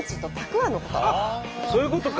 あっそういうことか。